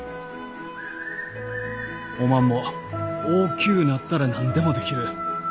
おまんも大きゅうなったら何でもできる。